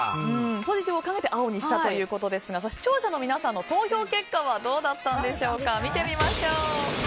ポジティブを考えて青にしたということですが視聴者の皆さんの投票結果どうだったんでしょうか。